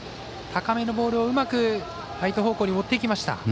高めのボールをうまくライト方向に持っていきました。